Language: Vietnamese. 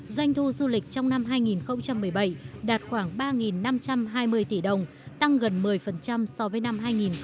doanh thu du lịch trong năm hai nghìn một mươi bảy đạt khoảng ba năm trăm hai mươi tỷ đồng tăng gần một mươi so với năm hai nghìn một mươi bảy